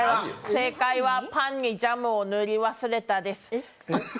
正解はパンにジャムを塗り忘れたです。